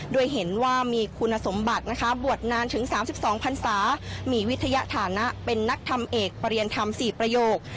โดยเห็นว่ามีคุณสมบัตินะคะบวชนานถึง๓๒พันศามีวิทยาฐานะเป็นนักทำเอกประเรียนธรรม๔ประโยค